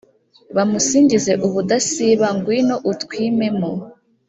bamusingize ubudasiba, ngwino utwimemo,